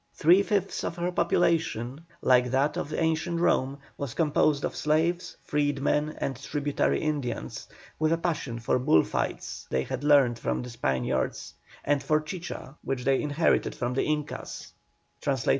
Three fifths of her population, like to that of ancient Rome, was composed of slaves, freedmen, and tributary Indians, with a passion for bullfights they had learnt from the Spaniards, and for chicha, which they inherited from the Incas.